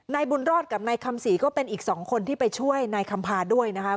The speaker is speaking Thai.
นายบุญรอดกับนายคำศรีก็เป็นอีก๒คนที่ไปช่วยนายคำพาด้วยนะคะ